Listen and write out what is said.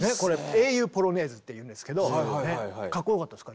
「英雄ポロネーズ」っていうんですけどかっこよかったですか？